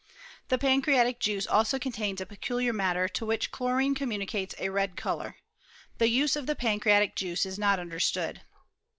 The pancreatic juice also contains o peculiar matter, to which chlorine communicates a red colour. The use of the pancreatic juice is not understood.